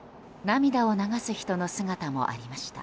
涙を流す人の姿もありました。